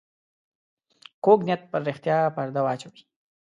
کوږ نیت پر رښتیا پرده واچوي